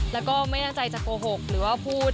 แล้วก็ไม่ได้ตั้งใจจะโกหกหรือว่าพูด